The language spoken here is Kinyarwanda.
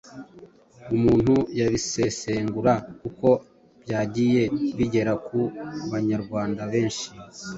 Umuntu yabisesengura uko byagiye bigera ku Banyarwanda benshi.